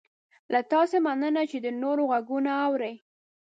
له تاسې مننه چې د نورو غږونه اورئ